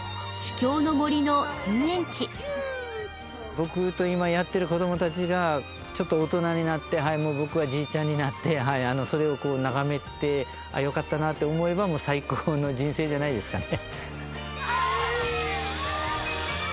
僕と今やっている子どもたちがちょっと大人になって僕はじいちゃんになってそれをこう眺めてよかったなって思えばもう最高の人生じゃないですかね。